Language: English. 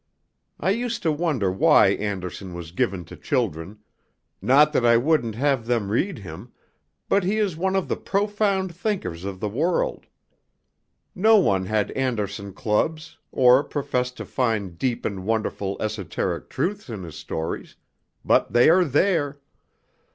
I used to wonder why Andersen was given to children; not that I wouldn't have them read him, but he is one of the profound thinkers of the world. No one had Andersen clubs, or professed to find deep and wonderful esoteric truths in his stories, but they are there.